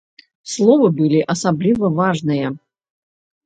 Словы былі асабліва важныя.